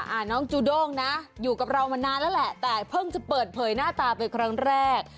น้องจูด้งนะอยู่กับเรามานานแล้วแหละแต่เพิ่งจะเปิดเผยหน้าตาเป็นครั้งแรก